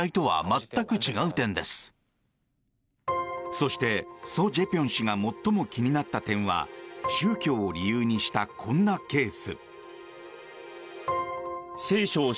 そして、ソ・ジェピョン氏が最も気になった点は宗教を理由にしたこんなケース。